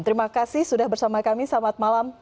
terima kasih sudah bersama kami selamat malam